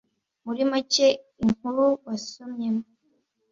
muri make inkuru wasomyemo.